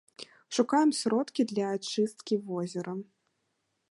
Шукаем сродкі для ачысткі возера.